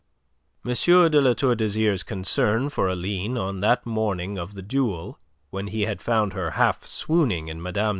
M. de La Tour d'Azyr's concern for Aline on that morning of the duel when he had found her half swooning in Mme.